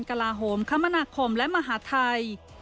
กลาโหมคมนาคมและมหาทัย